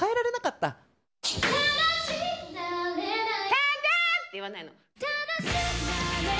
ただーって言わないの。